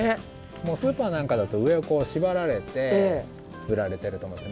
スーパーなんかだと上を縛られて売られていると思うんです。